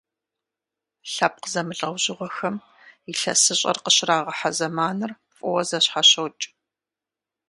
Лъэпкъ зэмылӀэужьыгъуэхэм ИлъэсыщӀэр къыщрагъэхьэ зэманыр фӀыуэ зэщхьэщокӀ.